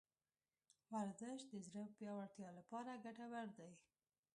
ورزش د زړه د پیاوړتیا لپاره ګټور دی.